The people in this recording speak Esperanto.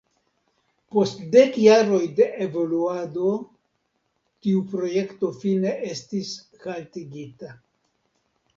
Post dek jaroj de evoluado tiu projekto fine estis haltigita.